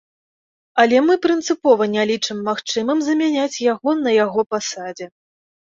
Але мы прынцыпова не лічым магчымым замяняць яго на яго пасадзе.